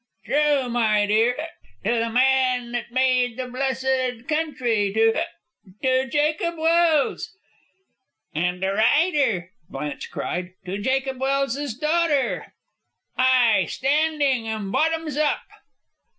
"True, my dear hic. To the man that made the blessed country. To hic to Jacob Welse!" "And a rider!" Blanche cried. "To Jacob Welse's daughter!" "Ay! Standing! And bottoms up!"